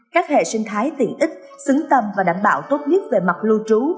các hệ sinh thái tiện ích xứng tầm và đảm bảo tốt nhất về mặt lưu trú